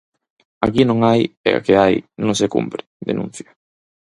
Aquí non a hai e a que hai, non se cumpre, denuncia.